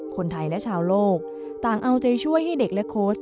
คนไทยและชาวโลกต่างเอาใจช่วยให้เด็กและโค้ช